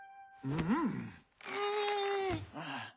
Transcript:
うん。